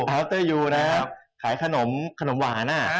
อัฟเตอร์ยูนะครับขายขนมขนมหวานอ่ะ